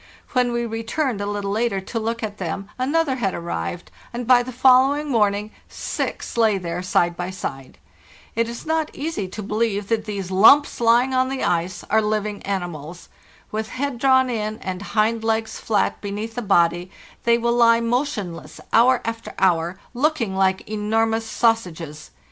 When we returned a little later to look at them another had arrived, and by the follow ing morning six lay there side by side. It is not easy to believe that these lumps lying on the ice are living animals. With head drawn in and hind legs flat beneath the body, they will lie motionless hour after hour, locking like enormous sausages.